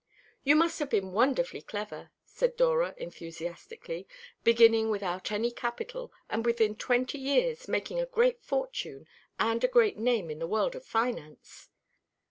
"You must have been wonderfully clever," said Dora enthusiastically, "beginning without any capital, and within twenty years making a great fortune and a great name in the world of finance."